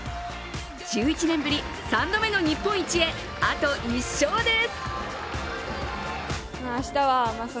１１年ぶり３度目の日本一へあと一勝です。